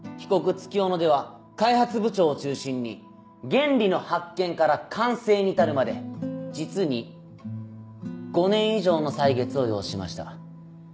月夜野では開発部長を中心に原理の発見から完成に至るまで実に５年以上の歳月を要しました。